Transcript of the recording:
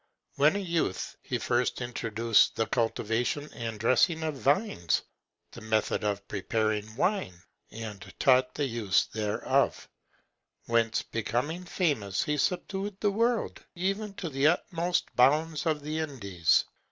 When a youth, he first introduced the cultivation and dressing of vines, the method of preparing wine, and taught the use thereof; whence becoming famous, he subdued the world, even to the utmost bounds of the Indies.